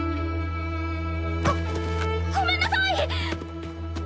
ごごめんなさい！